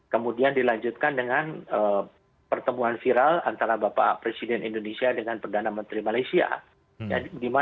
kemudian dilanjutkan dengan pertemuan viral antara bapak presiden indonesia dengan perdana menteri malaysia